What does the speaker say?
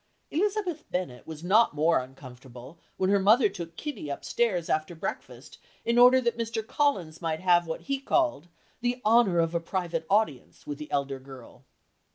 Elizabeth Bennet was not more uncomfortable when her mother took Kitty up stairs after breakfast in order that Mr. Collins might have what he called "The honour of a private audience" with the elder girl.